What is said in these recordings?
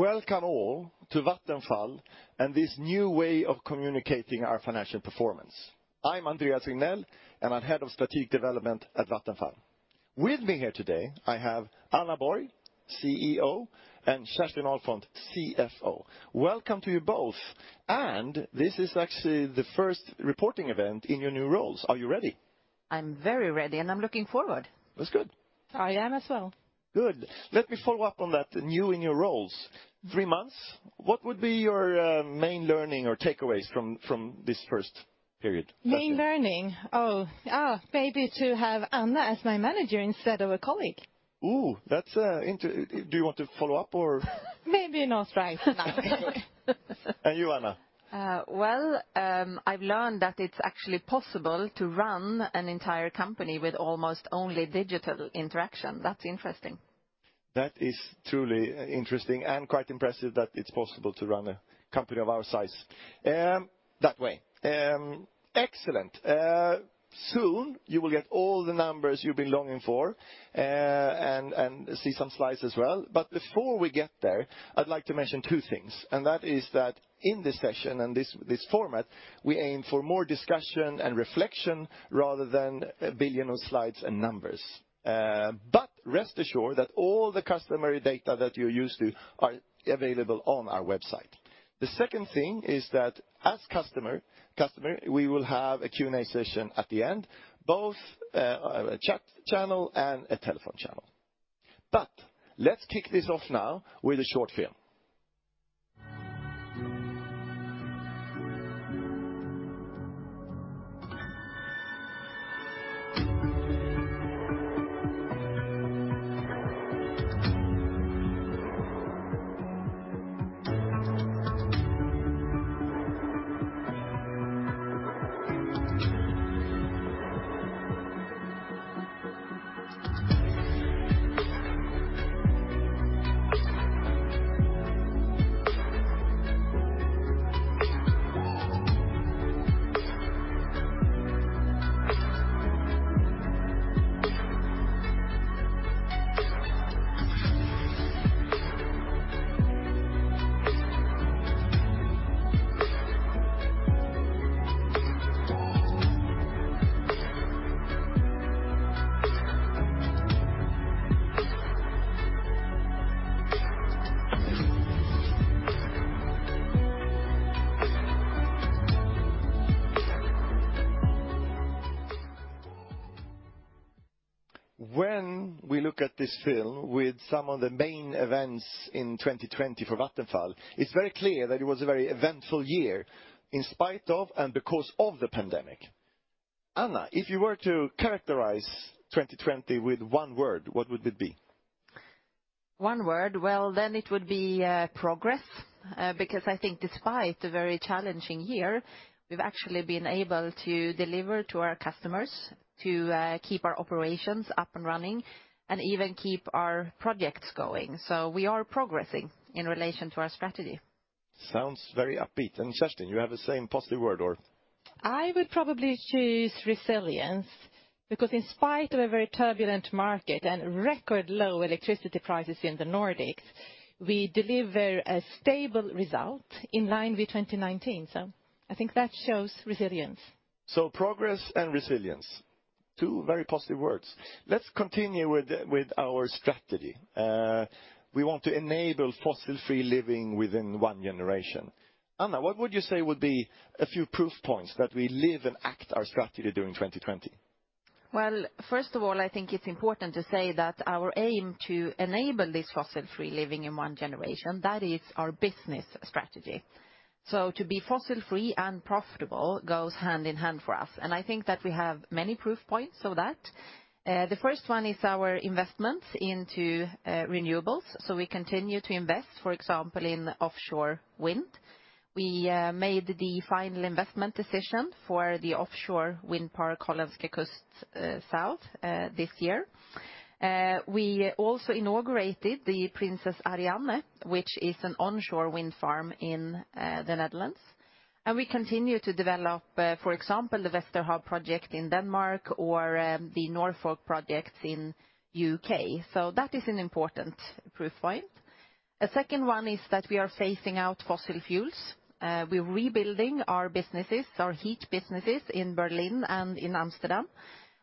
Welcome all to Vattenfall and this new way of communicating our financial performance. I'm Andreas Regnell, and I'm head of strategic development at Vattenfall. With me here today, I have Anna Borg, CEO, and Kerstin Ahlfont, CFO. Welcome to you both. This is actually the first reporting event in your new roles. Are you ready? I'm very ready, and I'm looking forward. That's good. I am as well. Good. Let me follow up on that, new in your roles. Three months, what would be your main learning or takeaways from this first period? Main learning. Oh. Maybe to have Anna as my manager instead of a colleague. Do you want to follow up or? Maybe not right now. You, Anna? Well, I've learned that it's actually possible to run an entire company with almost only digital interaction. That's interesting. That is truly interesting and quite impressive that it's possible to run a company of our size that way. Excellent. Soon you will get all the numbers you've been longing for, and see some slides as well. Before we get there, I'd like to mention two things, and that is that in this session and this format, we aim for more discussion and reflection rather than a billion of slides and numbers. Rest assured that all the customary data that you're used to are available on our website. The second thing is that as customary, we will have a Q&A session at the end, both a chat channel and a telephone channel. Let's kick this off now with a short film. When we look at this film with some of the main events in 2020 for Vattenfall, it is very clear that it was a very eventful year in spite of and because of the pandemic. Anna, if you were to characterize 2020 with one word, what would it be? One word, well, it would be progress. I think despite the very challenging year, we've actually been able to deliver to our customers, to keep our operations up and running, and even keep our projects going. We are progressing in relation to our strategy. Sounds very upbeat. Kerstin, you have the same positive word or? I would probably choose resilience, because in spite of a very turbulent market and record low electricity prices in the Nordics, we deliver a stable result in line with 2019. I think that shows resilience. Progress and resilience. Two very positive words. Let's continue with our strategy. We want to enable fossil free living within one generation. Anna, what would you say would be a few proof points that we live and act our strategy during 2020? First of all, I think it's important to say that our aim to enable this fossil free living in one generation, that is our business strategy. To be fossil free and profitable goes hand in hand for us, and I think that we have many proof points for that. The first one is our investments into renewables. We continue to invest, for example, in offshore wind. We made the final investment decision for the offshore park, Hollandse Kust Zuid this year. We also inaugurated the Prinses Ariane, which is an onshore wind farm in the Netherlands, and we continue to develop, for example, the Vesterhav project in Denmark or the Norfolk projects in U.K. That is an important proof point. A second one is that we are phasing out fossil fuels. We're rebuilding our businesses, our heat businesses in Berlin and in Amsterdam,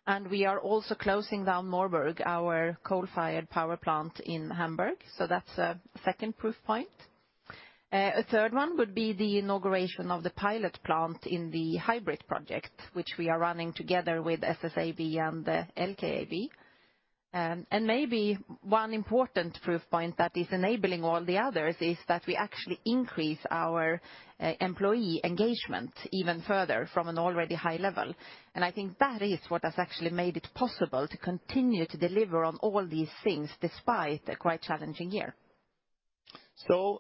and we are also closing down Moorburg, our coal-fired power plant in Hamburg, so that's a second proof point. A third one would be the inauguration of the pilot plant in the HYBRIT project, which we are running together with SSAB and the LKAB. Maybe one important proof point that is enabling all the others is that we actually increase our employee engagement even further from an already high level. I think that is what has actually made it possible to continue to deliver on all these things despite a quite challenging year.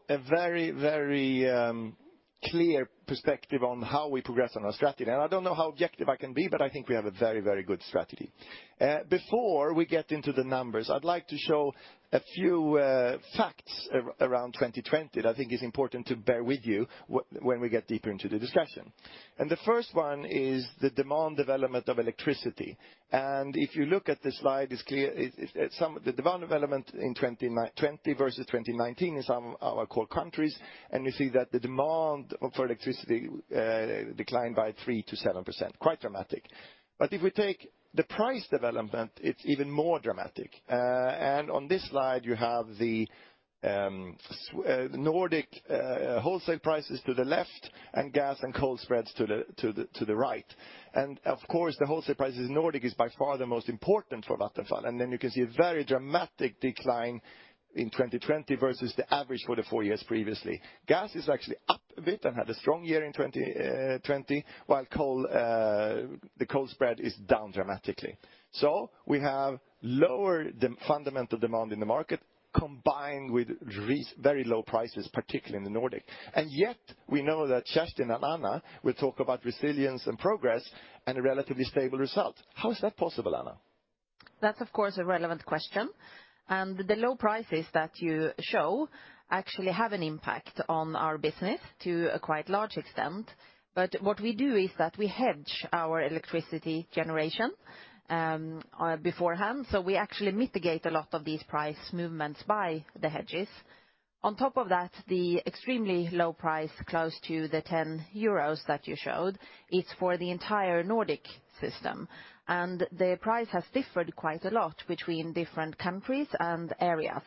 A very clear perspective on how we progress on our strategy. I don't know how objective I can be, but I think we have a very good strategy. Before we get into the numbers, I'd like to show a few facts around 2020 that I think is important to bear with you when we get deeper into the discussion. The first one is the demand development of electricity. If you look at the slide, the demand development in 2020 versus 2019 in some of our core countries, and we see that the demand for electricity declined by 3%-7%, quite dramatic. If we take the price development, it's even more dramatic. On this slide, you have the Nordic wholesale prices to the left and gas and coal spreads to the right. Of course, the wholesale prices in Nordic is by far the most important for Vattenfall. You can see a very dramatic decline in 2020 versus the average for the four years previously. Gas is actually up a bit and had a strong year in 2020, while the coal spread is down dramatically. We have lower fundamental demand in the market, combined with very low prices, particularly in the Nordic. Yet we know that Kerstin and Anna will talk about resilience and progress and a relatively stable result. How is that possible, Anna? That's of course a relevant question. The low prices that you show actually have an impact on our business to a quite large extent. What we do is that we hedge our electricity generation beforehand. We actually mitigate a lot of these price movements by the hedges. On top of that, the extremely low price, close to the €10 that you showed, it's for the entire Nordic system, and the price has differed quite a lot between different countries and areas.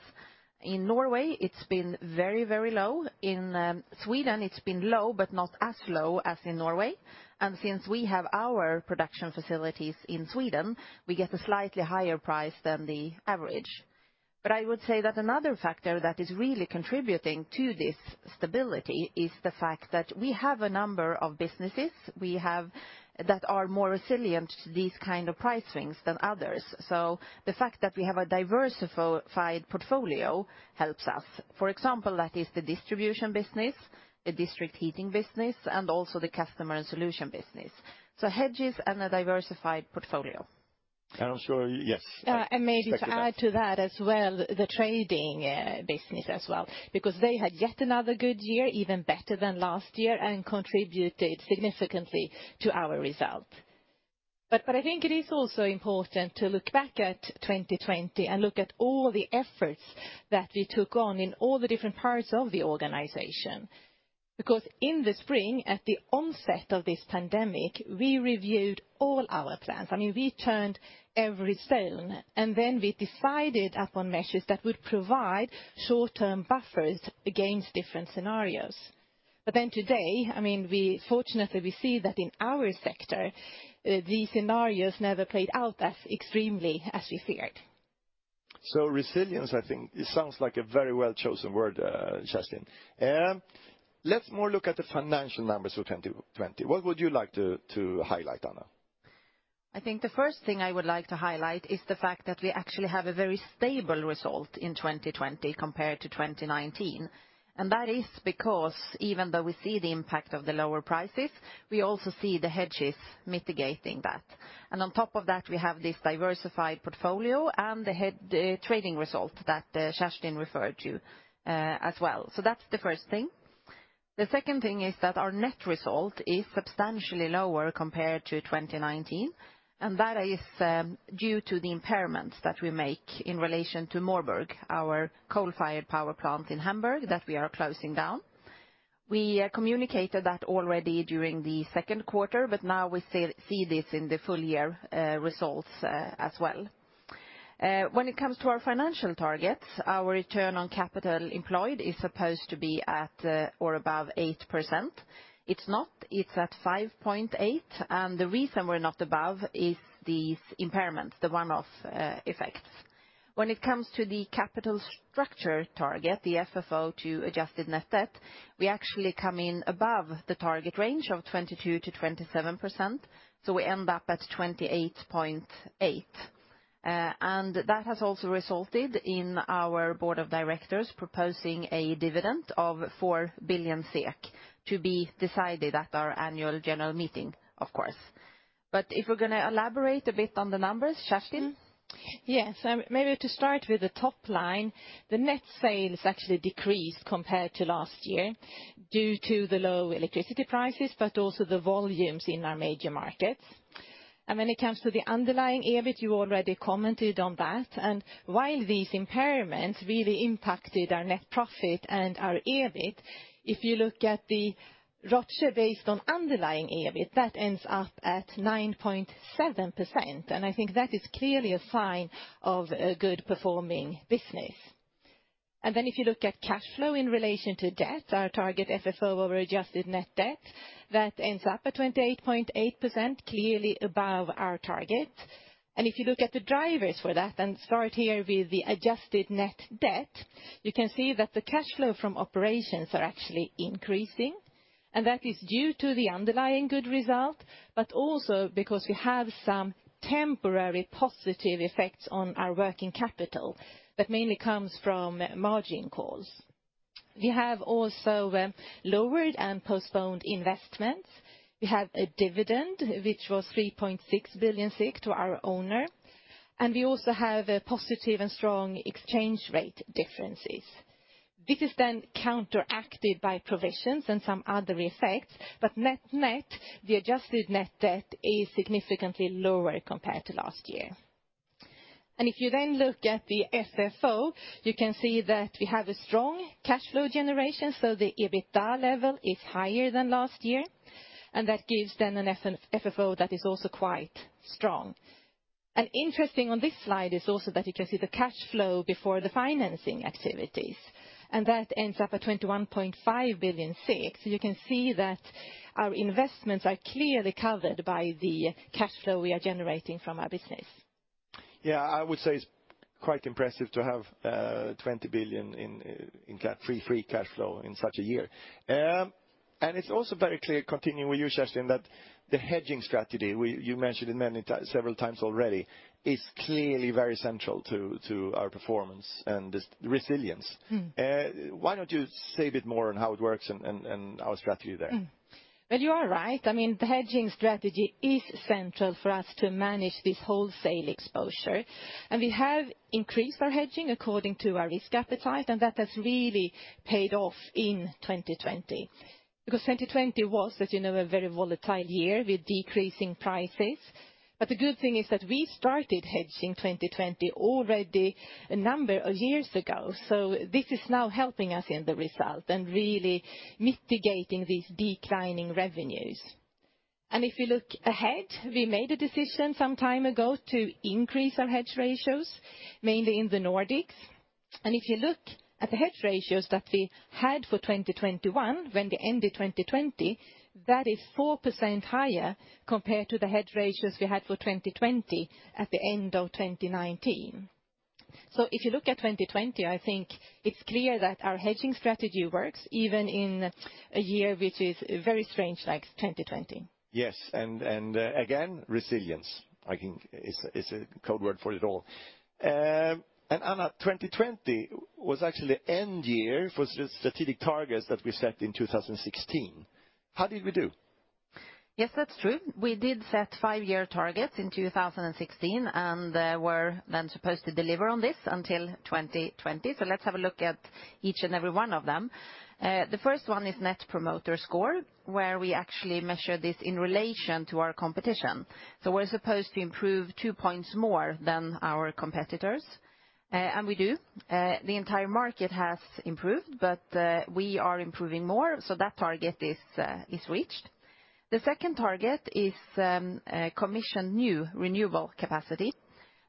In Norway, it's been very low. In Sweden, it's been low, but not as low as in Norway. Since we have our production facilities in Sweden, we get a slightly higher price than the average. I would say that another factor that is really contributing to this stability is the fact that we have a number of businesses that are more resilient to these kind of price swings than others. The fact that we have a diversified portfolio helps us. For example, that is the distribution business, the district heating business, and also the customer and solution business. Hedges and a diversified portfolio. I'm sure, yes. Maybe to add to that as well, the trading business as well, because they had yet another good year, even better than last year and contributed significantly to our result. I think it is also important to look back at 2020 and look at all the efforts that we took on in all the different parts of the organization. In the spring, at the onset of this pandemic, we reviewed all our plans. We turned every stone, and then we decided upon measures that would provide short-term buffers against different scenarios. Today, fortunately, we see that in our sector, these scenarios never played out as extremely as we feared. Resilience, I think, it sounds like a very well-chosen word, Kerstin. Let's more look at the financial numbers for 2020. What would you like to highlight, Anna? I think the first thing I would like to highlight is the fact that we actually have a very stable result in 2020 compared to 2019. That is because even though we see the impact of the lower prices, we also see the hedges mitigating that. On top of that, we have this diversified portfolio and the trading result that Kerstin referred to as well. That's the first thing. The second thing is that our net result is substantially lower compared to 2019, and that is due to the impairments that we make in relation to Moorburg, our coal-fired power plant in Hamburg that we are closing down. We communicated that already during the second quarter, but now we see this in the full year results as well. When it comes to our financial targets, our return on capital employed is supposed to be at or above 8%. It's not. It's at 5.8, and the reason we're not above is these impairments, the one-off effects. When it comes to the capital structure target, the FFO to adjusted net debt, we actually come in above the target range of 22%-27%, so we end up at 28.8. That has also resulted in our board of directors proposing a dividend of 4 billion SEK to be decided at our annual general meeting, of course. If we're going to elaborate a bit on the numbers, Kerstin? Yeah. Maybe to start with the top line, the net sales actually decreased compared to last year due to the low electricity prices, but also the volumes in our major markets. When it comes to the underlying EBIT, you already commented on that. While these impairments really impacted our net profit and our EBIT, if you look at the ROCE based on underlying EBIT, that ends up at 9.7%. I think that is clearly a sign of a good performing business. Then if you look at cash flow in relation to debt, our target FFO over adjusted net debt, that ends up at 28.8%, clearly above our target. If you look at the drivers for that and start here with the adjusted net debt, you can see that the cash flow from operations are actually increasing. And that is due to the underlying good result, but also because we have some temporary positive effects on our working capital that mainly comes from margin calls. We have also lowered and postponed investments. We have a dividend, which was 3.6 billion SEK to our owner, and we also have a positive and strong exchange rate differences. This is then counteracted by provisions and some other effects, but net net, the adjusted net debt is significantly lower compared to last year. If you then look at the FFO, you can see that we have a strong cash flow generation, so the EBITDA level is higher than last year, and that gives then an FFO that is also quite strong. Interesting on this slide is also that you can see the cash flow before the financing activities, and that ends up at 21.5 billion SEK. You can see that our investments are clearly covered by the cash flow we are generating from our business. Yeah, I would say it's quite impressive to have 20 billion in free cash flow in such a year. It's also very clear, continuing with you, Kerstin, that the hedging strategy, you mentioned it several times already, is clearly very central to our performance and resilience. Why don't you say a bit more on how it works and our strategy there? Well, you are right. I mean, the hedging strategy is central for us to manage this wholesale exposure. We have increased our hedging according to our risk appetite, and that has really paid off in 2020. 2020 was, as you know, a very volatile year with decreasing prices. The good thing is that we started hedging 2020 already a number of years ago. This is now helping us in the result and really mitigating these declining revenues. If you look ahead, we made a decision some time ago to increase our hedge ratios, mainly in the Nordics. If you look at the hedge ratios that we had for 2021, when we ended 2020, that is 4% higher compared to the hedge ratios we had for 2020 at the end of 2019. If you look at 2020, I think it's clear that our hedging strategy works even in a year, which is very strange, like 2020. Yes. Again, resilience, I think is a code word for it all. Anna, 2020 was actually end year for strategic targets that we set in 2016. How did we do? Yes, that's true. We did set five-year targets in 2016 and were then supposed to deliver on this until 2020. Let's have a look at each and every one of them. The first one is net promoter score, where we actually measure this in relation to our competition. We're supposed to improve two points more than our competitors, and we do. The entire market has improved, but we are improving more, so that target is reached. The second target is commission new renewable capacity.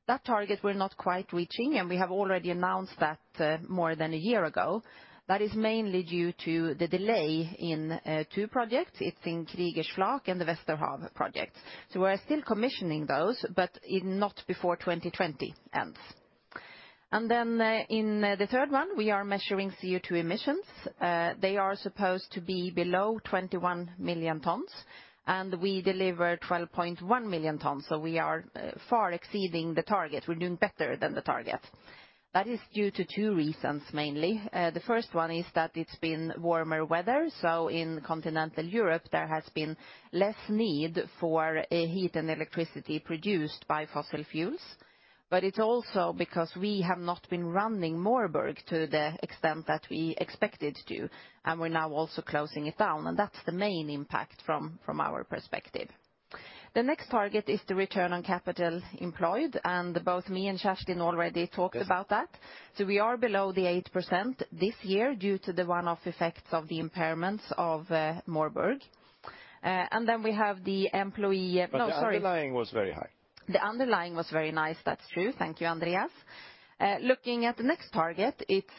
That target we're not quite reaching, and we have already announced that more than a year ago. That is mainly due to the delay in two projects. It's in Kriegers Flak and the Vesterhav project. We're still commissioning those, but not before 2020 ends. In the third one, we are measuring CO2 emissions. They are supposed to be below 21 million tons, and we delivered 12.1 million tons. We are far exceeding the target. We are doing better than the target. That is due to two reasons mainly. The first one is that it's been warmer weather. In Continental Europe, there has been less need for heat and electricity produced by fossil fuels. It is also because we have not been running Moorburg to the extent that we expected to, and we are now also closing it down, and that's the main impact from our perspective. The next target is the return on capital employed, and both me and Kerstin already talked about that. We are below the 8% this year due to the one-off effects of the impairments of Moorburg. Then we have the employee-- No, sorry. The underlying was very high. The underlying was very nice. That's true. Thank you, Andreas. Looking at the next target, it's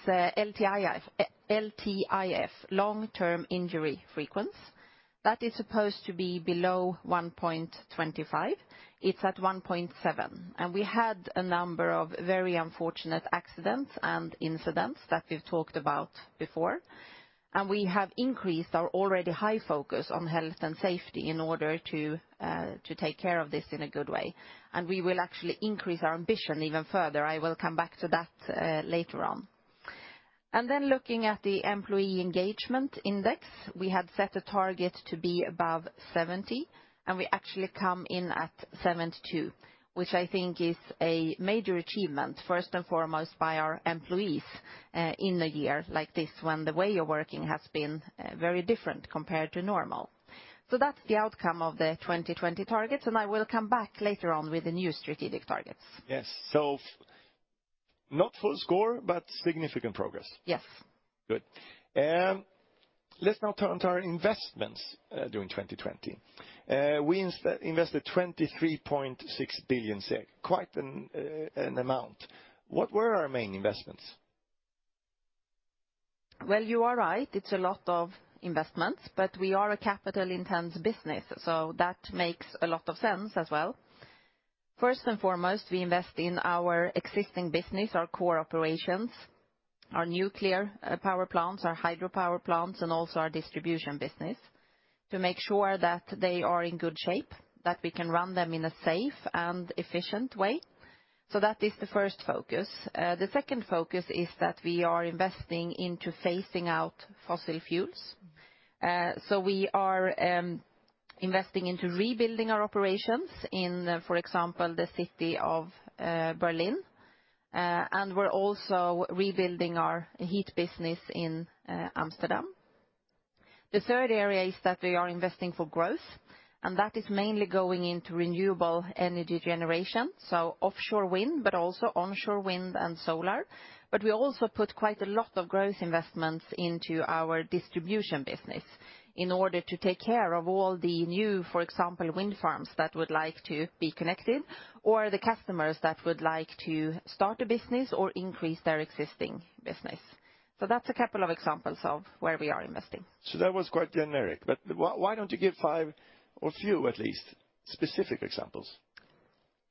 LTIF, Long-Term Injury Frequency. That is supposed to be below 1.25. It's at 1.7. We had a number of very unfortunate accidents and incidents that we've talked about before. We have increased our already high focus on health and safety in order to take care of this in a good way. We will actually increase our ambition even further. I will come back to that later on. Looking at the employee engagement index, we had set a target to be above 70, and we actually come in at 72, which I think is a major achievement, first and foremost, by our employees in a year like this when the way you're working has been very different compared to normal. That's the outcome of the 2020 targets, and I will come back later on with the new strategic targets. Yes. Not full score, but significant progress. Yes. Good. Let's now turn to our investments during 2020. We invested 23.6 billion SEK, quite an amount. What were our main investments? Well, you are right. It's a lot of investments, but we are a capital-intense business, so that makes a lot of sense as well. First and foremost, we invest in our existing business, our core operations, our nuclear power plants, our hydropower plants, and also our distribution business to make sure that they are in good shape, that we can run them in a safe and efficient way. That is the first focus. The second focus is that we are investing into phasing out fossil fuels. We are investing into rebuilding our operations in, for example, the city of Berlin, and we're also rebuilding our heat business in Amsterdam. The third area is that we are investing for growth, and that is mainly going into renewable energy generation, so offshore wind, but also onshore wind and solar. We also put quite a lot of growth investments into our distribution business in order to take care of all the new, for example, wind farms that would like to be connected, or the customers that would like to start a business or increase their existing business. That's a couple of examples of where we are investing. That was quite generic, but why don't you give five or few at least, specific examples?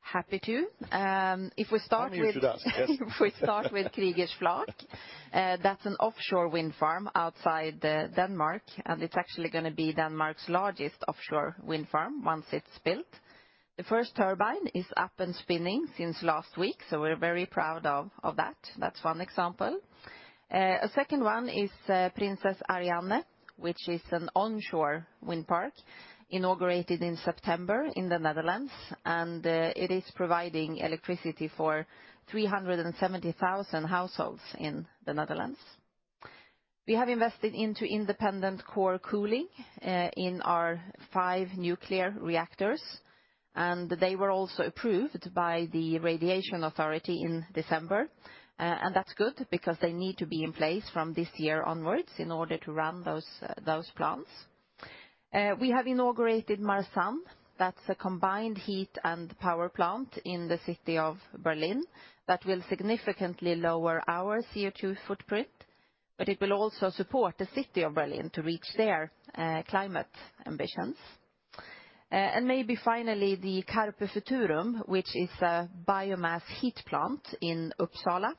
Happy to. I knew you'd ask, yes. If we start with Kriegers Flak, that's an offshore wind farm outside Denmark, and it's actually going to be Denmark's largest offshore wind farm once it's built. The first turbine is up and spinning since last week, so we're very proud of that. A second one is Prinses Ariane, which is an onshore wind park inaugurated in September in the Netherlands, and it is providing electricity for 370,000 households in the Netherlands. We have invested into independent core cooling, in our 5 nuclear reactors, and they were also approved by the radiation authority in December. And that's good because they need to be in place from this year onwards in order to run those plants. We have inaugurated Marzahn. That's a combined heat and power plant in the city of Berlin that will significantly lower our CO2 footprint. It will also support the City of Berlin to reach their climate ambitions. Maybe finally, the Carpe Futurum, which is a biomass heat plant in Uppsala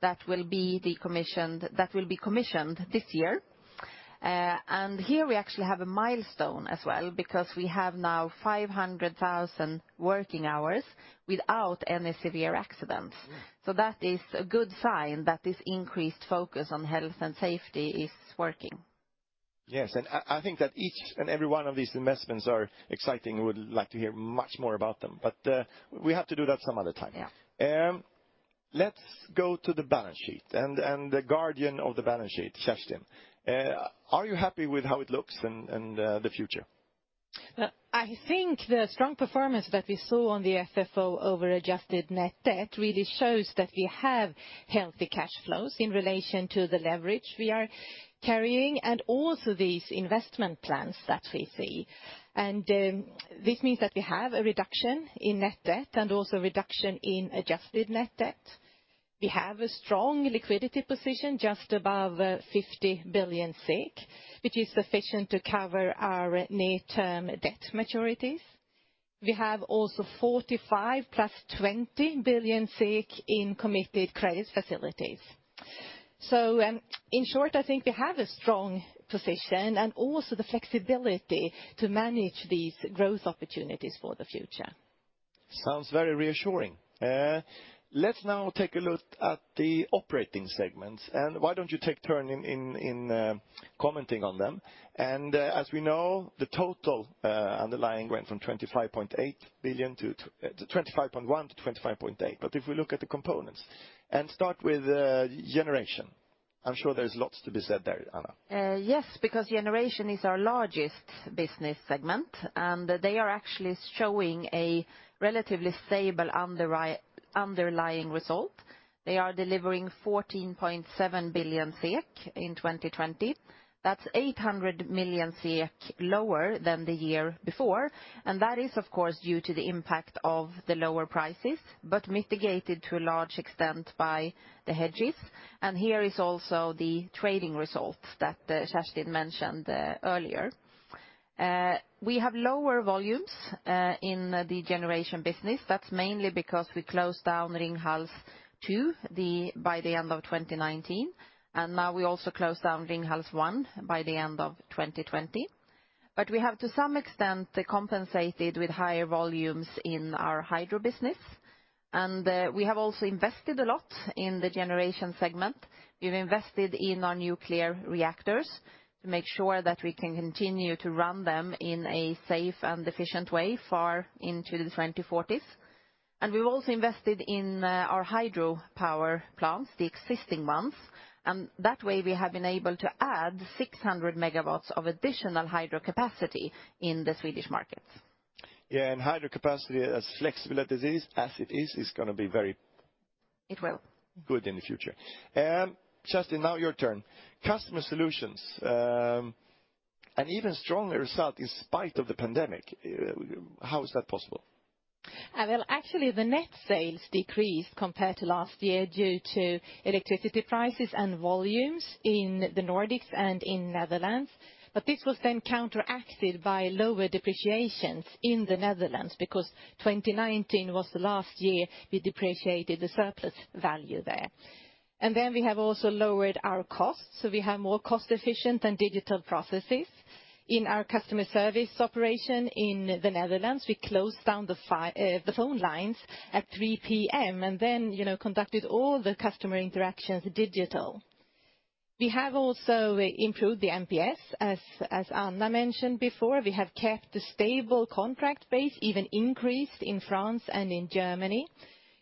that will be commissioned this year. Here we actually have a milestone as well because we have now 500,000 working hours without any severe accidents. That is a good sign that this increased focus on health and safety is working. Yes, and I think that each and every one of these investments are exciting, would like to hear much more about them. We have to do that some other time. Yeah. Let's go to the balance sheet and the guardian of the balance sheet, Kerstin. Are you happy with how it looks in the future? I think the strong performance that we saw on the FFO over adjusted net debt really shows that we have healthy cash flows in relation to the leverage we are carrying and also these investment plans that we see. This means that we have a reduction in net debt and also a reduction in adjusted net debt. We have a strong liquidity position just above 50 billion SEK, which is sufficient to cover our near-term debt maturities. We have also 45 billion plus 20 billion in committed credit facilities. In short, I think we have a strong position and also the flexibility to manage these growth opportunities for the future. Sounds very reassuring. Let's now take a look at the operating segments. Why don't you take turn in commenting on them? As we know, the total underlying went from 25.1 billion to 25.8 billion. If we look at the components and start with generation, I'm sure there's lots to be said there, Anna. Yes, because Generation is our largest business segment, and they are actually showing a relatively stable underlying result. They are delivering 14.7 billion SEK in 2020. That's 800 million SEK lower than the year before, and that is of course due to the impact of the lower prices, but mitigated to a large extent by the hedges. Here is also the trading results that Kerstin mentioned earlier. We have lower volumes in the Generation business. That's mainly because we closed down Ringhals 2 by the end of 2019, and now we also closed down Ringhals 1 by the end of 2020. We have to some extent compensated with higher volumes in our hydro business, and we have also invested a lot in the Generation segment. We've invested in our nuclear reactors to make sure that we can continue to run them in a safe and efficient way far into the 2040s. We've also invested in our hydropower plants, the existing ones, and that way we have been able to add 600 MW of additional hydro capacity in the Swedish markets. Yeah, hydro capacity as flexible as it is going to be very. It will good in the future. Kerstin, now your turn. Customer solutions, an even stronger result in spite of the pandemic. How is that possible? Well, actually the net sales decreased compared to last year due to electricity prices and volumes in the Nordics and in Netherlands. This was then counteracted by lower depreciations in the Netherlands because 2019 was the last year we depreciated the surplus value there. We have also lowered our costs, so we have more cost-efficient and digital processes. In our customer service operation in the Netherlands, we closed down the phone lines at 3:00 P.M. and then conducted all the customer interactions digital. We have also improved the NPS, as Anna mentioned before. We have kept a stable contract base, even increased in France and in Germany.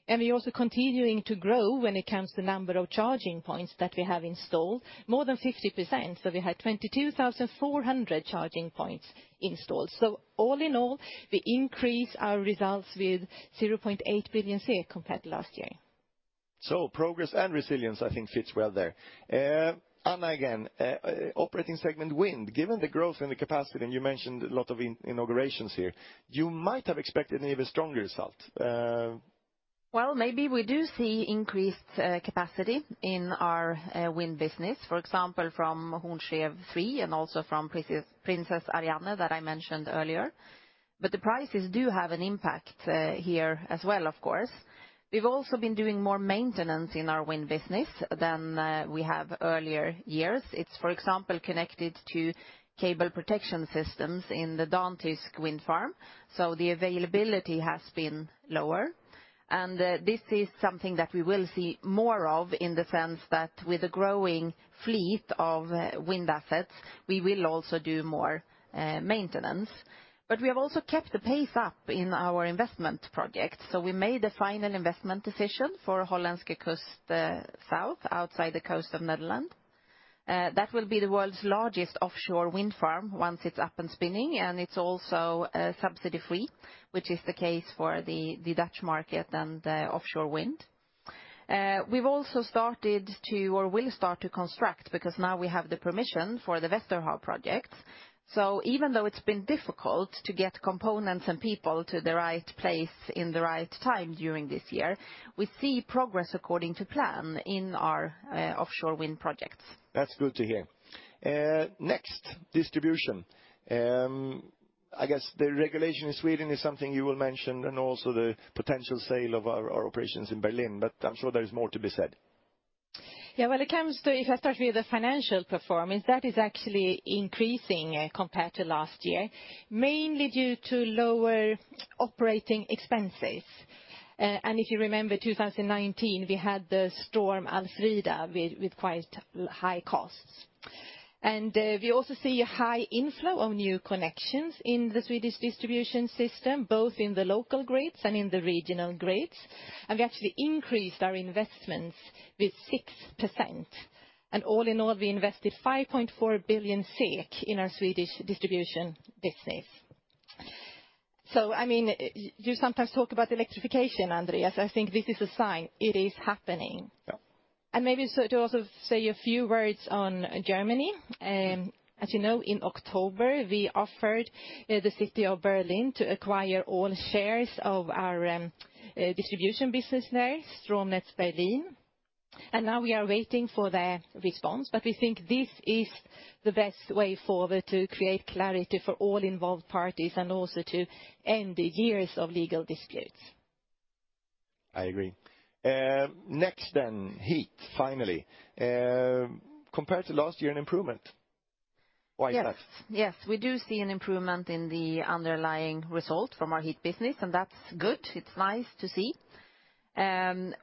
We are also continuing to grow when it comes to number of charging points that we have installed, more than 50%. We had 22,400 charging points installed. All in all, we increased our results with 0.8 billion SEK compared to last year. Progress and resilience, I think, fits well there. Anna, again, operating segment Wind, given the growth and the capacity, and you mentioned a lot of inaugurations here, you might have expected an even stronger result. Well, maybe we do see increased capacity in our wind business, for example, from Horns Rev three and also from Prinses Ariane that I mentioned earlier. The prices do have an impact here as well, of course. We've also been doing more maintenance in our wind business than we have earlier years. It's, for example, connected to cable protection systems in the DanTysk wind farm, so the availability has been lower. This is something that we will see more of in the sense that with a growing fleet of wind assets, we will also do more maintenance. We have also kept the pace up in our investment project. We made the final investment decision for Hollandse Kust Zuid, outside the coast of Netherlands. That will be the world's largest offshore wind farm once it's up and spinning, and it's also subsidy-free, which is the case for the Dutch market and offshore wind. We've also started to, or will start to construct, because now we have the permission for the Vesterhav project. Even though it's been difficult to get components and people to the right place in the right time during this year, we see progress according to plan in our offshore wind projects. That's good to hear. Next, distribution. I guess the regulation in Sweden is something you will mention and also the potential sale of our operations in Berlin, but I'm sure there is more to be said. If I start with the financial performance, that is actually increasing compared to last year, mainly due to lower operating expenses. If you remember 2019, we had the storm Alfrida with quite high costs. We also see a high inflow of new connections in the Swedish distribution system, both in the local grids and in the regional grids. We actually increased our investments with 6%. All in all, we invested 5.4 billion SEK in our Swedish distribution business. You sometimes talk about electrification, Andreas. I think this is a sign it is happening. Yeah. Maybe to also say a few words on Germany. As you know, in October, we offered the city of Berlin to acquire all shares of our distribution business there, Stromnetz Berlin. Now we are waiting for their response. We think this is the best way forward to create clarity for all involved parties and also to end the years of legal disputes. I agree. Next, heat, finally. Compared to last year, an improvement. Why is that? Yes. We do see an improvement in the underlying result from our heat business. That's good. It's nice to see.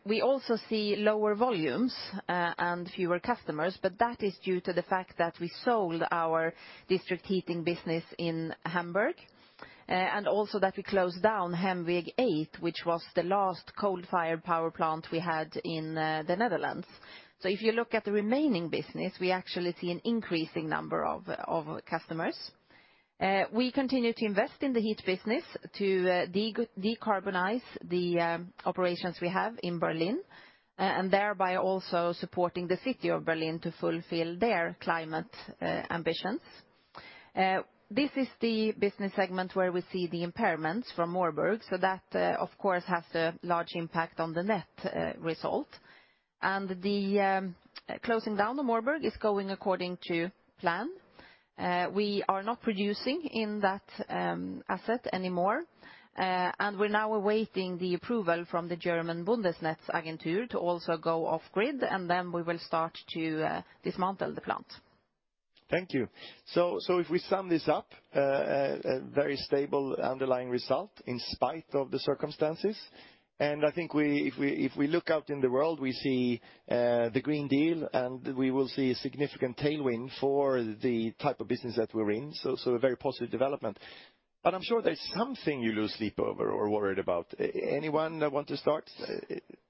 We also see lower volumes and fewer customers. That is due to the fact that we sold our district heating business in Hamburg, also that we closed down Hemweg 8, which was the last coal-fired power plant we had in the Netherlands. If you look at the remaining business, we actually see an increasing number of customers. We continue to invest in the heat business to decarbonize the operations we have in Berlin, thereby also supporting the city of Berlin to fulfill their climate ambitions. This is the business segment where we see the impairments from Moorburg. That, of course, has a large impact on the net result. The closing down of Moorburg is going according to plan. We are not producing in that asset anymore. We're now awaiting the approval from the German Bundesnetzagentur to also go off-grid, and then we will start to dismantle the plant. Thank you. If we sum this up, a very stable underlying result in spite of the circumstances. I think if we look out in the world, we see the Green Deal, and we will see a significant tailwind for the type of business that we're in. A very positive development. I'm sure there's something you lose sleep over or worried about. Anyone want to start?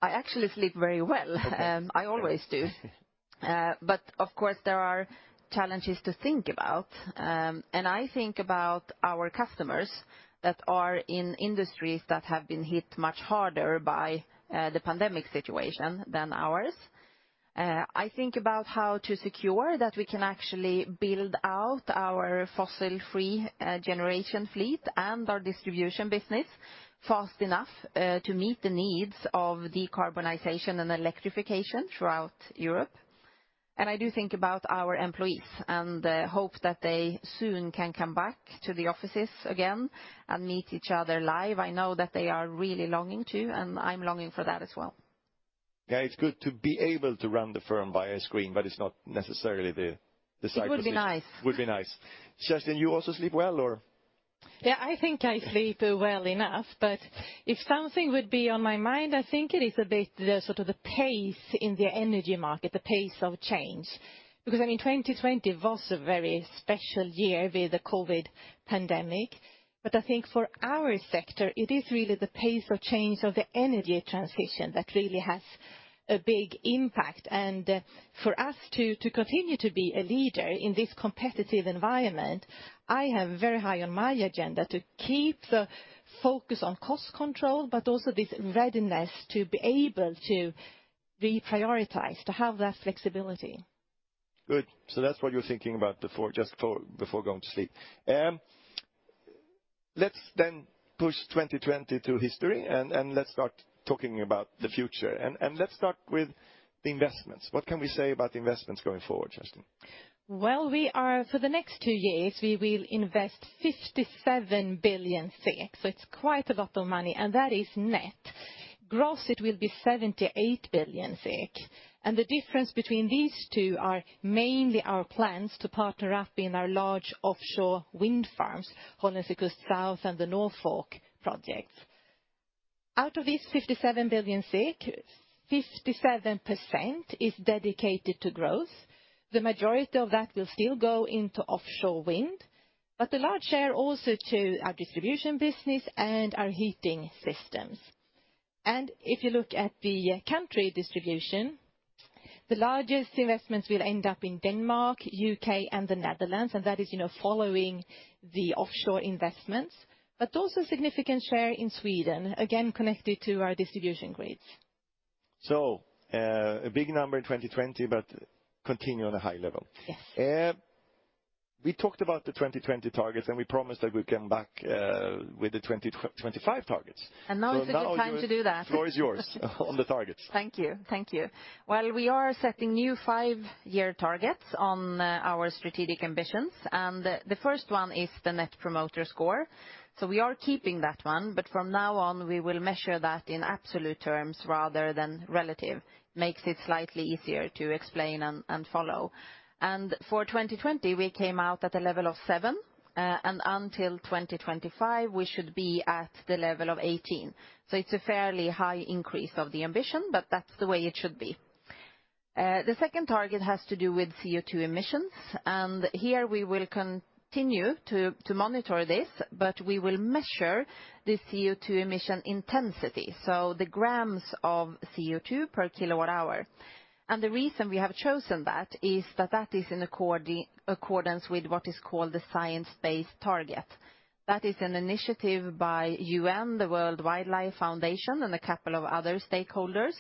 I actually sleep very well. Okay. I always do. Of course, there are challenges to think about. I think about our customers that are in industries that have been hit much harder by the pandemic situation than ours. I think about how to secure that we can actually build out our fossil-free generation fleet and our distribution business fast enough to meet the needs of decarbonization and electrification throughout Europe. I do think about our employees and hope that they soon can come back to the offices again and meet each other live. I know that they are really longing to, and I'm longing for that as well. Yeah, it's good to be able to run the firm via screen, but it's not necessarily the cyclist. It would be nice. Would be nice. Kerstin, you also sleep well? Yeah, I think I sleep well enough, but if something would be on my mind, I think it is a bit the sort of the pace in the energy market, the pace of change. 2020 was a very special year with the COVID pandemic, but I think for our sector, it is really the pace of change of the energy transition that really has a big impact. For us to continue to be a leader in this competitive environment, I have very high on my agenda to keep the focus on cost control, but also this readiness to be able to reprioritize, to have that flexibility. Good. That's what you're thinking about just before going to sleep. Let's push 2020 to history and let's start talking about the future. Let's start with the investments. What can we say about the investments going forward, Kerstin? Well, for the next two years, we will invest 57 billion. It's quite a lot of money, and that is net. Gross, it will be 78 billion. The difference between these two are mainly our plans to partner up in our large offshore wind farms, Hollandse Kust Zuid and the Norfolk projects. Out of this 57 billion, 57% is dedicated to growth. The majority of that will still go into offshore wind, but a large share also to our distribution business and our heating systems. If you look at the country distribution, the largest investments will end up in Denmark, U.K., and the Netherlands, and that is following the offshore investments. Also a significant share in Sweden, again, connected to our distribution grids. A big number in 2020, but continue on a high level. Yes. We talked about the 2020 targets, and we promised that we'd come back with the 2025 targets. Now is a good time to do that. The floor is yours on the targets. Thank you. Well, we are setting new five-year targets on our strategic ambitions, the first one is the net promoter score. We are keeping that one, but from now on, we will measure that in absolute terms rather than relative. Makes it slightly easier to explain and follow. For 2020, we came out at a level of seven, and until 2025, we should be at the level of 18. It's a fairly high increase of the ambition, but that's the way it should be. The second target has to do with CO2 emissions, here we will continue to monitor this, but we will measure the CO2 emission intensity, so the grams of CO2 per kilowatt hour. The reason we have chosen that is that that is in accordance with what is called the science-based target. That is an initiative by UN, the World Wildlife Fund, and a couple of other stakeholders,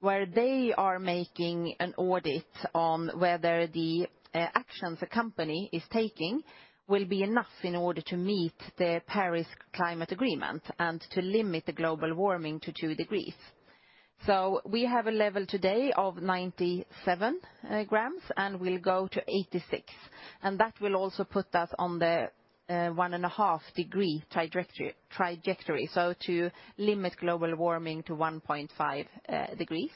where they are making an audit on whether the actions a company is taking will be enough in order to meet the Paris Climate Agreement and to limit the global warming to two degrees. We have a level today of 97 grams, and we'll go to 86. That will also put us on the one and a half degree trajectory. To limit global warming to 1.5 degrees.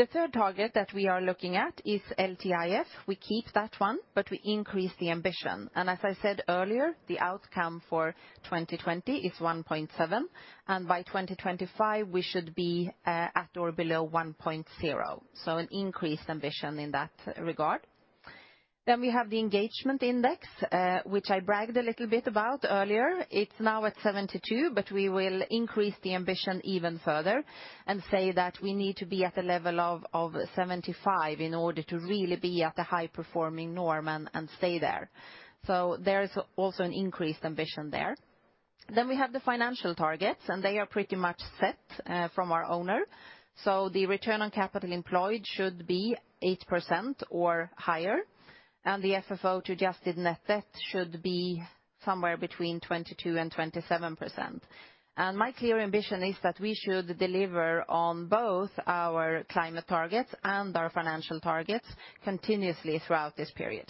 The third target that we are looking at is LTIF. We keep that one, but we increase the ambition. As I said earlier, the outcome for 2020 is 1.7, and by 2025, we should be at or below 1.0. An increased ambition in that regard. We have the engagement index, which I bragged a little bit about earlier. It's now at 72, but we will increase the ambition even further and say that we need to be at a level of 75 in order to really be at a high-performing norm and stay there. There is also an increased ambition there. We have the financial targets, and they are pretty much set from our owner. The return on capital employed should be 8% or higher, and the FFO to adjusted net debt should be somewhere between 22% and 27%. My clear ambition is that we should deliver on both our climate targets and our financial targets continuously throughout this period.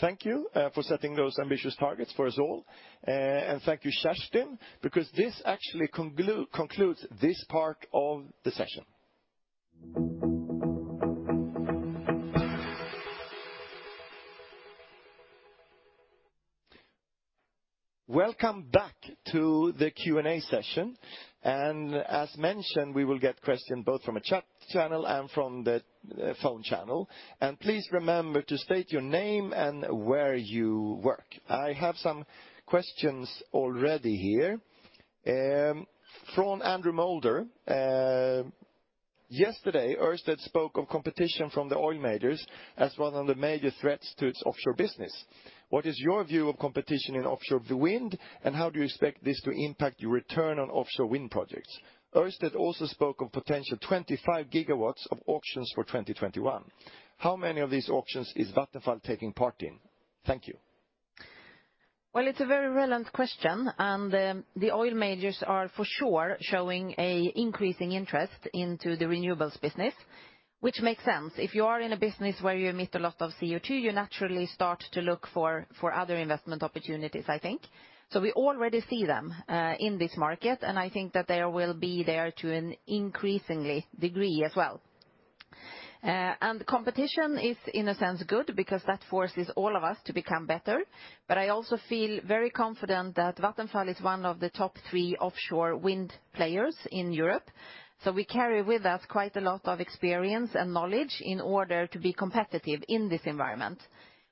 Thank you for setting those ambitious targets for us all. Thank you, Kerstin, because this actually concludes this part of the session. Welcome back to the Q&A session. As mentioned, we will get question both from a chat channel and from the phone channel. Please remember to state your name and where you work. I have some questions already here. From Andrew Moulder. Yesterday, Ørsted spoke of competition from the oil majors as one of the major threats to its offshore business. What is your view of competition in offshore wind, and how do you expect this to impact your return on offshore wind projects? Ørsted also spoke of potential 25 gigawatts of auctions for 2021. How many of these auctions is Vattenfall taking part in? Thank you. Well, it's a very relevant question. The oil majors are for sure showing an increasing interest into the renewables business, which makes sense. If you are in a business where you emit a lot of CO2, you naturally start to look for other investment opportunities, I think. We already see them, in this market, and I think that they will be there to an increasingly degree as well. Competition is, in a sense, good because that forces all of us to become better. I also feel very confident that Vattenfall is one of the top three offshore wind players in Europe. We carry with us quite a lot of experience and knowledge in order to be competitive in this environment.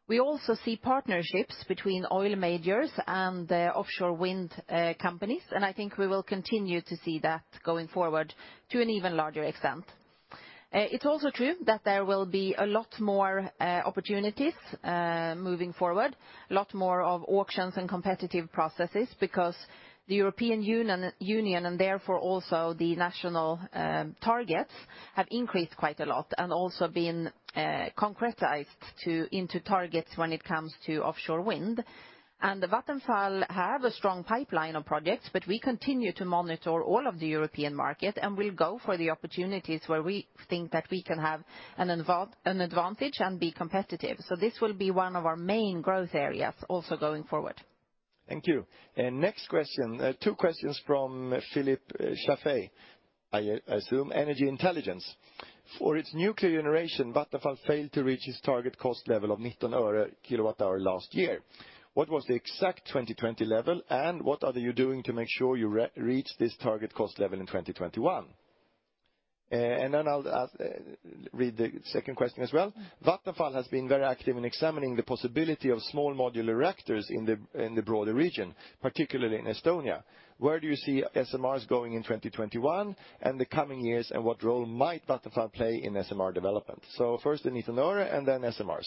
We also see partnerships between oil majors and offshore wind companies, and I think we will continue to see that going forward to an even larger extent. It's also true that there will be a lot more opportunities, moving forward, a lot more of auctions and competitive processes because the European Union, and therefore also the national targets, have increased quite a lot and also been concretized into targets when it comes to offshore wind. Vattenfall have a strong pipeline of projects, but we continue to monitor all of the European market, and we'll go for the opportunities where we think that we can have an advantage and be competitive. This will be one of our main growth areas also going forward. Thank you. Next question. Two questions from Philip Chaffee. I assume Energy Intelligence. For its nuclear generation, Vattenfall failed to reach its target cost level of SEK 0.19 kilowatt hour last year. What was the exact 2020 level, and what are you doing to make sure you reach this target cost level in 2021? I'll read the second question as well. Vattenfall has been very active in examining the possibility of small modular reactors in the broader region, particularly in Estonia. Where do you see SMRs going in 2021 and the coming years, and what role might Vattenfall play in SMR development? First, the SEK 0.19, and then SMRs.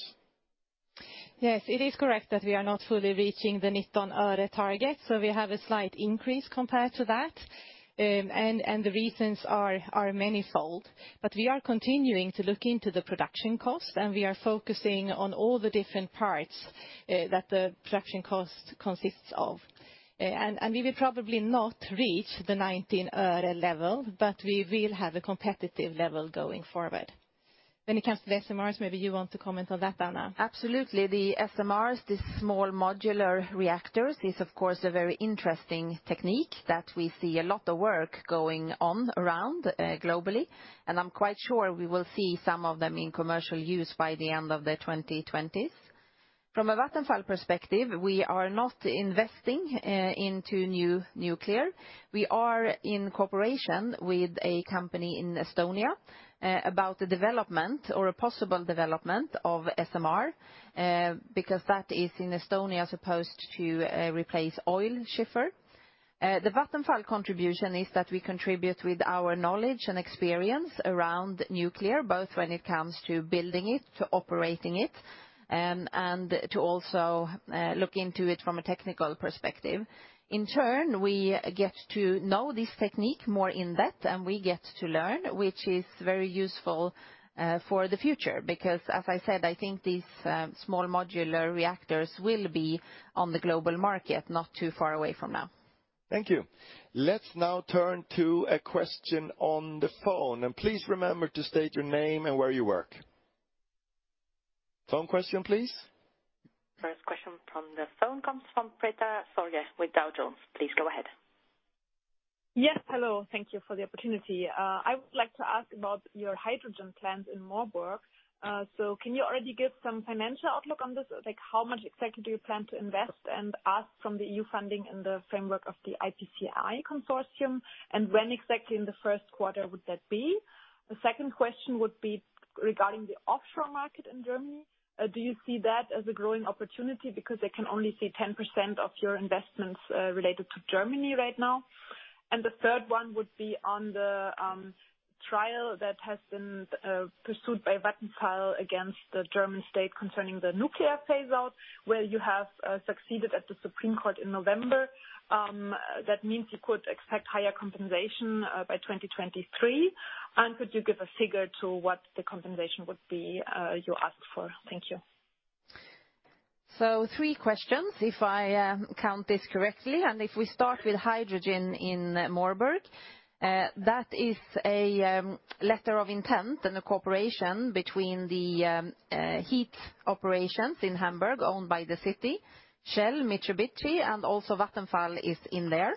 Yes, it is correct that we are not fully reaching the 19 öre target, so we have a slight increase compared to that, and the reasons are manifold. We are continuing to look into the production cost, and we are focusing on all the different parts that the production cost consists of. We will probably not reach the 19 öre level, but we will have a competitive level going forward. When it comes to the SMRs, maybe you want to comment on that, Anna. Absolutely. The SMRs, the small modular reactors, is, of course, a very interesting technique that we see a lot of work going on around globally, and I'm quite sure we will see some of them in commercial use by the end of the 2020s. From a Vattenfall perspective, we are not investing into new nuclear. We are in cooperation with a company in Estonia about the development or a possible development of SMR, because that is in Estonia, supposed to replace oil shale. The Vattenfall contribution is that we contribute with our knowledge and experience around nuclear, both when it comes to building it, to operating it, and to also look into it from a technical perspective. In turn, we get to know this technique more in depth, and we get to learn, which is very useful for the future, because as I said, I think these small modular reactors will be on the global market not too far away from now. Thank you. Let's now turn to a question on the phone, and please remember to state your name and where you work. Phone question, please. First question from the phone comes from Petra Sorge with Dow Jones. Please go ahead. Yes. Hello. Thank you for the opportunity. I would like to ask about your hydrogen plans in Moorburg. Can you already give some financial outlook on this? How much exactly do you plan to invest, and ask from the EU funding in the framework of the IPCEI consortium, and when exactly in the first quarter would that be? The second question would be regarding the offshore market in Germany. Do you see that as a growing opportunity? Because I can only see 10% of your investments related to Germany right now. The third one would be on the trial that has been pursued by Vattenfall against the German state concerning the nuclear phase-out, where you have succeeded at the Supreme Court in November. That means you could expect higher compensation by 2023. Could you give a figure to what the compensation would be you ask for? Thank you. Three questions, if I count this correctly, and if we start with hydrogen in Moorburg. That is a letter of intent and a cooperation between the heat operations in Hamburg, owned by the city, Shell, Mitsubishi, and also Vattenfall is in there.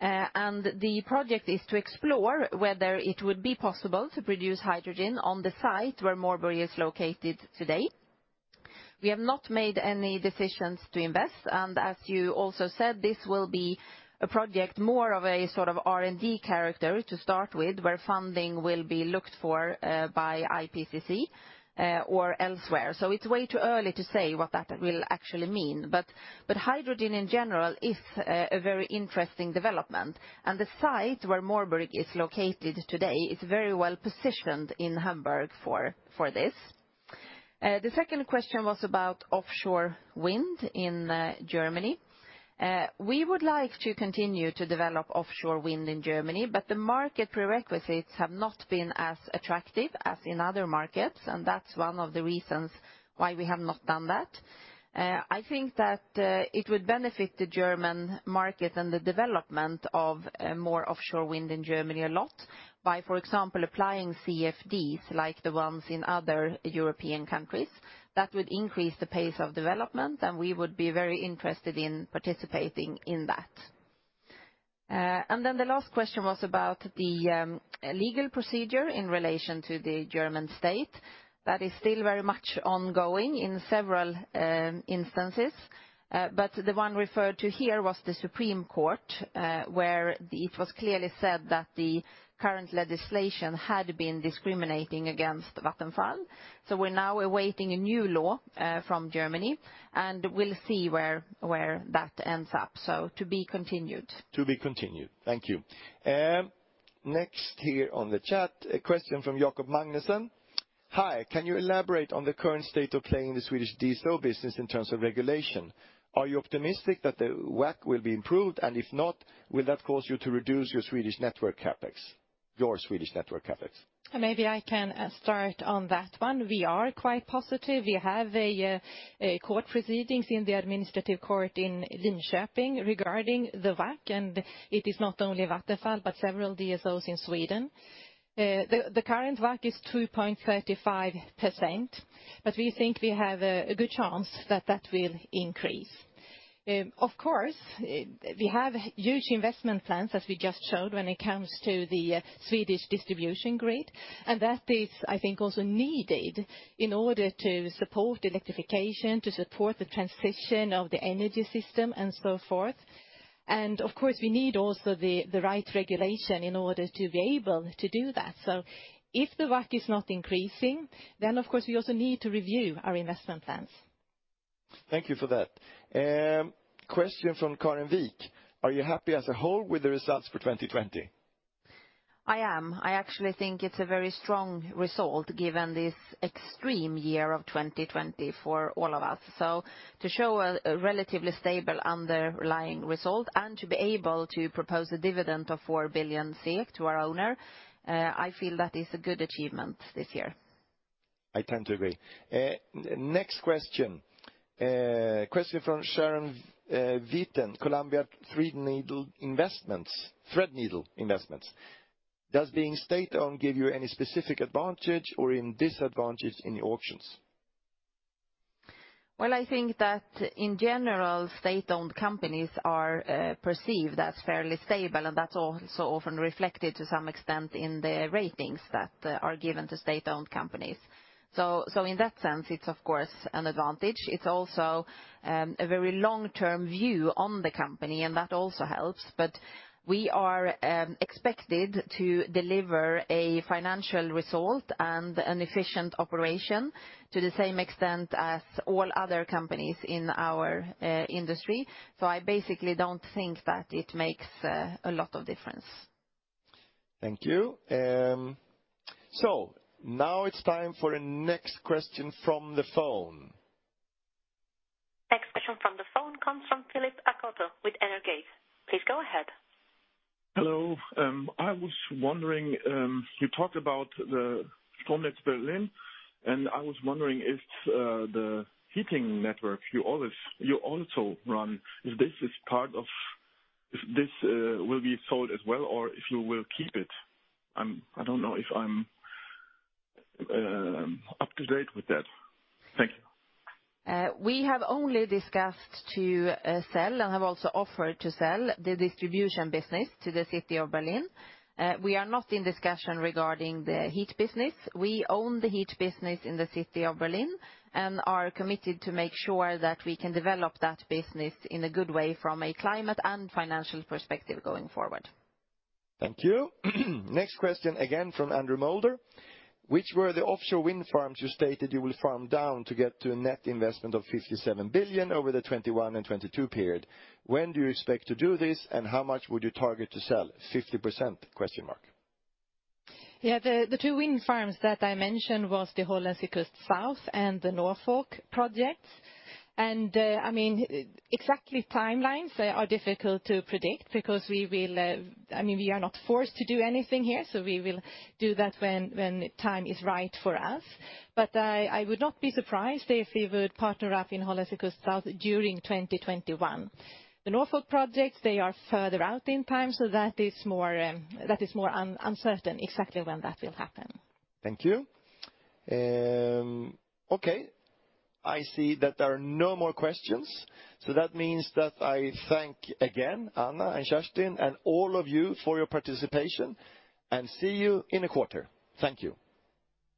The project is to explore whether it would be possible to produce hydrogen on the site where Moorburg is located today. We have not made any decisions to invest, and as you also said, this will be a project more of a sort of R&D character to start with, where funding will be looked for by IPCEI or elsewhere. It's way too early to say what that will actually mean. Hydrogen, in general, is a very interesting development, and the site where Moorburg is located today is very well-positioned in Hamburg for this. The second question was about offshore wind in Germany. We would like to continue to develop offshore wind in Germany, but the market prerequisites have not been as attractive as in other markets, and that is one of the reasons why we have not done that. I think that it would benefit the German market and the development of more offshore wind in Germany a lot by, for example, applying CFDs like the ones in other European countries. That would increase the pace of development, and we would be very interested in participating in that. The last question was about the legal procedure in relation to the German state. That is still very much ongoing in several instances. The one referred to here was the Supreme Court, where it was clearly said that the current legislation had been discriminating against Vattenfall. We're now awaiting a new law from Germany, and we'll see where that ends up. To be continued. To be continued. Thank you. Next here on the chat, a question from Jacob Magnuson. "Hi. Can you elaborate on the current state of play in the Swedish DSO business in terms of regulation? Are you optimistic that the WACC will be improved? And if not, will that cause you to reduce your Swedish network CapEx? Maybe I can start on that one. We are quite positive. We have a court proceedings in the administrative court in Linköping regarding the WACC, and it is not only Vattenfall, but several DSOs in Sweden. The current WACC is 2.35%, but we think we have a good chance that that will increase. Of course, we have huge investment plans as we just showed when it comes to the Swedish distribution grid, and that is, I think, also needed in order to support electrification, to support the transition of the energy system, and so forth. Of course, we need also the right regulation in order to be able to do that. If the WACC is not increasing, then of course, we also need to review our investment plans. Thank you for that. Question from Karen Wigg. Are you happy as a whole with the results for 2020? I am. I actually think it's a very strong result given this extreme year of 2020 for all of us. To show a relatively stable underlying result and to be able to propose a dividend of 4 billion to our owner, I feel that is a good achievement this year. I tend to agree. Next question. Question from Sharon Witan, Columbia Threadneedle Investments. "Does being state-owned give you any specific advantage or disadvantage in the auctions? I think that in general, state-owned companies are perceived as fairly stable, and that's also often reflected to some extent in the ratings that are given to state-owned companies. In that sense, it's of course an advantage. It's also a very long-term view on the company, and that also helps. We are expected to deliver a financial result and an efficient operation to the same extent as all other companies in our industry. I basically don't think that it makes a lot of difference. Thank you. Now it's time for the next question from the phone. Next question from the phone comes from Philip Akoto with energate. Please go ahead. Hello. I was wondering, you talked about the Stromnetz Berlin, and I was wondering if the heating network you also run, if this will be sold as well, or if you will keep it? I don't know if I'm up to date with that. Thank you. We have only discussed to sell and have also offered to sell the distribution business to the city of Berlin. We are not in discussion regarding the heat business. We own the heat business in the city of Berlin and are committed to make sure that we can develop that business in a good way from a climate and financial perspective going forward. Thank you. Next question, again from Andrew Moulder. Which were the offshore wind farms you stated you will farm down to get to a net investment of 57 billion over the 2021 and 2022 period? When do you expect to do this, and how much would you target to sell? 50%? Yeah, the two wind farms that I mentioned was the Hollandse Kust Zuid and the Norfolk projects. Exactly timelines are difficult to predict because we are not forced to do anything here, so we will do that when the time is right for us. I would not be surprised if we would partner up in Hollandse Kust Zuid during 2021. The Norfolk projects, they are further out in time, so that is more uncertain exactly when that will happen. Thank you. Okay, I see that there are no more questions, so that means that I thank again, Anna and Kerstin, and all of you for your participation, and see you in a quarter. Thank you.